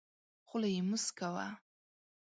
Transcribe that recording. خوله یې موسکه وه .